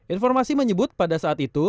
informasi menyebut pada saat itu